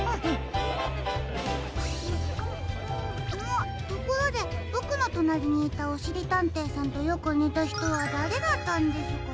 あところでボクのとなりにいたおしりたんていさんとよくにたひとはだれだったんですか？